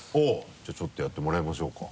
じゃあちょっとやってもらいましょうか。